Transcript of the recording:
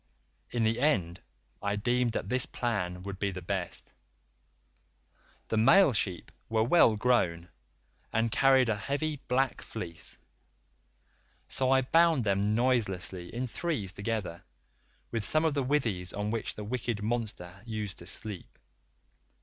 In the end I deemed that this plan would be the best; the male sheep were well grown, and carried a heavy black fleece, so I bound them noiselessly in threes together, with some of the withies on which the wicked monster used to sleep.